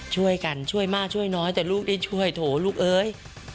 ช่วยกันช่วยมากช่วยน้อยแต่ลูกได้ช่วยโถลูกเอ้ย